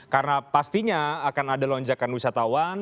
karena pastinya akan ada lonjakan wisatawan